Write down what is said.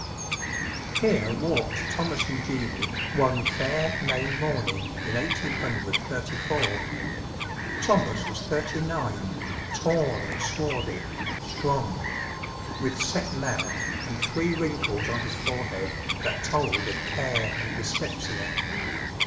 Here walked Thomas and Jeannie one fair May morning in Eighteen Hundred Thirty four. Thomas was thirty nine, tall and swarthy, strong; with set mouth and three wrinkles on his forehead that told of care and dyspepsia.